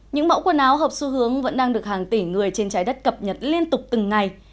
những mẫu quần áo hợp xu hướng vẫn đang được hàng tỷ người trên trái đất cập nhật liên tục từng ngày